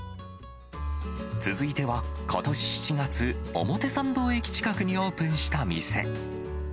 続いては、ことし７月、表参道駅近くにオープンした店。